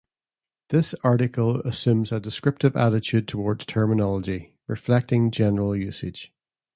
This article assumes a descriptive attitude towards terminology, reflecting general usage.